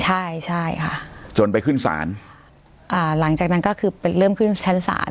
ใช่ใช่ค่ะจนไปขึ้นศาลอ่าหลังจากนั้นก็คือเป็นเริ่มขึ้นชั้นศาล